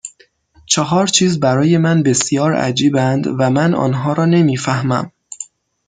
چهار چیز برای من بسیار عجیبند و من آنها را نمیفهمم